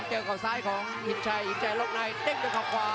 เจอก่อนซ้ายของหินชัยหินชัยล๊อคไนท์ติ๊กด้วยข่าวขวา